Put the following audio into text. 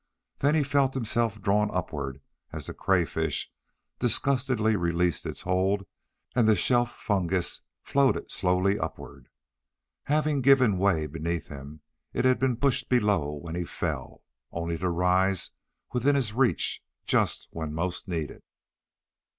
Then he felt himself drawn upward as the crayfish disgustedly released its hold and the shelf fungus floated slowly upward. Having given way beneath him, it had been pushed below when he fell, only to rise within his reach just when most needed.